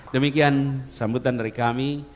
demikian sambutan dari kami